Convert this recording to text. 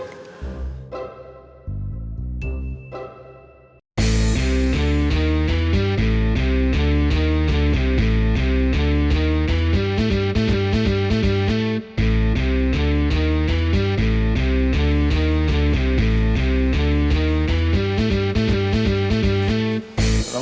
gak ada yang ngerti